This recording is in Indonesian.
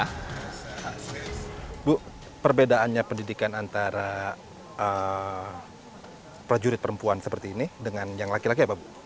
ibu perbedaannya pendidikan antara prajurit perempuan seperti ini dengan yang laki laki apa bu